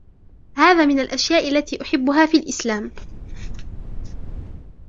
هذا من الأشياء التي أحبّها في الإسلام.